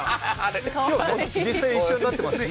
実際一緒になってますしね。